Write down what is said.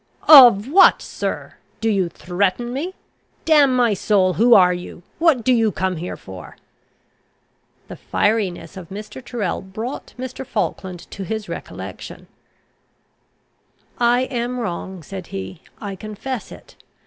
"Of what, sir! Do you threaten me? Damn my soul! who are you? what do you come here for?" The fieriness of Mr. Tyrrel brought Mr. Falkland to his recollection. "I am wrong," said he. "I confess it.